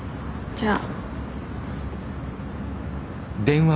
じゃあ。